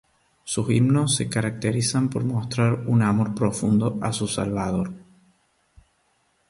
Sus himnos se caracterizan por mostrar un amor profundo a su Salvador.